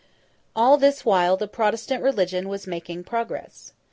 All this while, the Protestant religion was making progress.